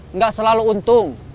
enggak selalu untung